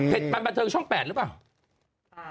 เผ็ดบรรมเทิงช่อง๘หรือเปล่า